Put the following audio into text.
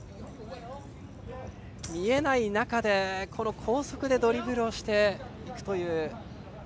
見えない中で、高速でドリブルをしていくという。